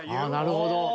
なるほど。